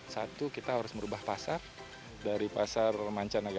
satu kita harus merubah pasar dari pasar mancanegara